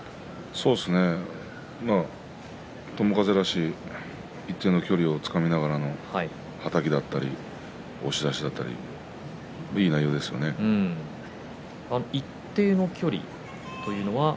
そうですね、友風らしい一定の距離をつかみながらのはたきだったり押し出しであったり一定の距離というのは。